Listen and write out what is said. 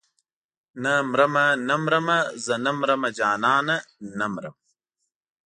نه مرمه نه مرمه زه نه مرمه جانانه نه مرم.